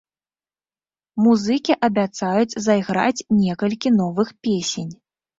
Музыкі абяцаюць зайграць некалькі новых песень.